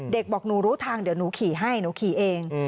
บอกหนูรู้ทางเดี๋ยวหนูขี่ให้หนูขี่เอง